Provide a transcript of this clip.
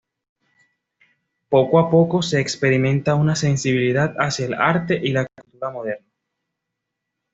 Poco a poco se experimenta una sensibilidad hacia el arte y la cultura modernos.